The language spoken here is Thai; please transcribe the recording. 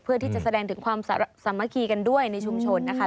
เพื่อที่จะแสดงถึงความสามัคคีกันด้วยในชุมชนนะคะ